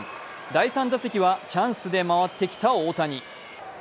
第３打席はチャンスで回ってきた大谷。